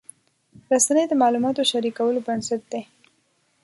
رسنۍ د معلوماتو شریکولو بنسټ دي.